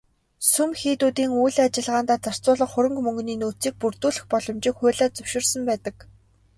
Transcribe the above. Сүм хийдүүдийн үйл ажиллагаандаа зарцуулах хөрөнгө мөнгөний нөөцийг бүрдүүлэх боломжийг хуулиар зөвшөөрсөн байдаг.